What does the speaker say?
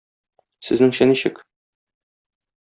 Сезнеңчә ничек?